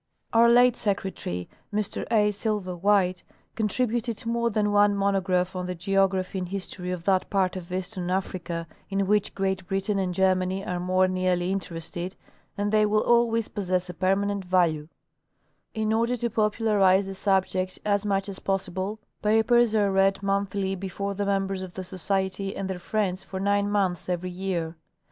Our late secretary, Mr A. Silva White, contributed more than one monograph on the geography and history of that part of eastern Africa in which Great Britain and Germany are more nearly interested, and they will always possess a permaneut value, Spelling of Gaelic .Nmnes. 103 In order to popularize the subject as much as possible, papers are read monthly before the members of the Society and their friends for nine months every year.